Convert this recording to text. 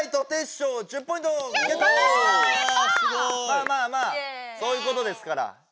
まあまあまあそういうことですから。